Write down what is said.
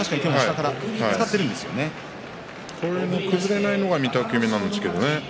崩れないのが御嶽海なんですけどね。